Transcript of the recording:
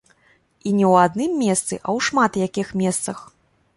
І не ў адным месцы, а ў шмат якіх месцах.